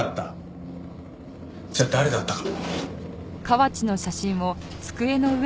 じゃあ誰だったか。